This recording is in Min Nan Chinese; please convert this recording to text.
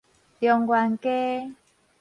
中原街